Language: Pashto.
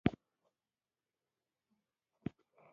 هغه څه چې په رسنیو کې مطرح کېږي.